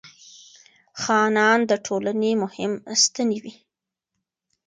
خانان د ټولنې مهم ستنې وې.